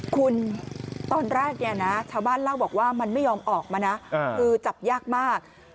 คุณตอนแรกเนี่ยนะชาวบ้านเล่าบอกว่ามันไม่ยอมออกมานะคือจับยากมาก